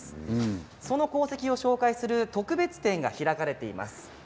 その功績を紹介する特別展が開かれています。